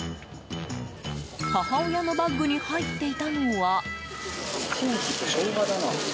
母親のバッグに入っていたのは。